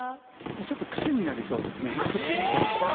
ちょっとクセになりそうですね。